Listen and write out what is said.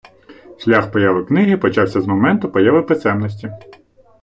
Шлях появи книги почався з моменту появи писемності.